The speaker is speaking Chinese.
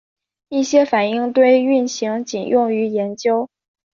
一些反应堆运行仅用于研究。